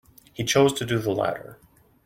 He chose to do the latter.